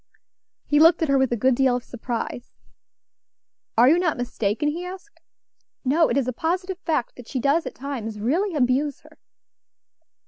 He looked at her with a good deal of surprise. "Are you not mistaken?" he asked. "No! it is a positive fact that she does at times really abuse her."